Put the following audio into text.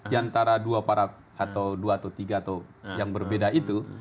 diantara dua atau tiga atau yang berbeda itu